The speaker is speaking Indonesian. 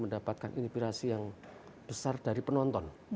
mendapatkan inspirasi yang besar dari penonton